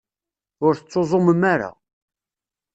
Ur tettuẓumem ara.